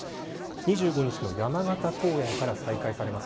２５日の山形公演から再開されます。